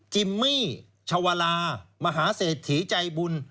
จิมมี่ชวาลามหาเสถีใจบุญ